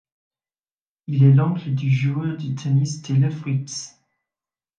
Il est l'oncle du joueur de tennis Taylor Fritz.